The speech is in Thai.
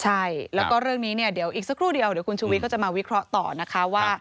ใช่แล้วก็เรื่องนี้เนี่ยเดี๋ยวอีกสักครู่เดียวเดี๋ยวคุณชุวิตก็จะมาวิเคราะห์ต่อนะคะว่า